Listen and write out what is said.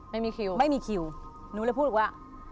ไม่มีคิวไม่มีคิวหนูเลยพูดบอกว่า